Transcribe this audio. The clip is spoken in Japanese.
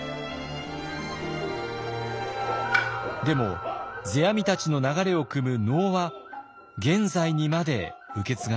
でも世阿弥たちの流れをくむ能は現在にまで受け継がれています。